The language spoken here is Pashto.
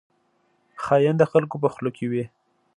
خاین د خلکو په خوله کې وي